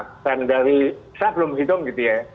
dan dari saya belum hitung gitu ya